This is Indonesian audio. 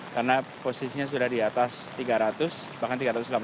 karena posisinya sudah di atas tiga ratus bahkan tiga ratus delapan puluh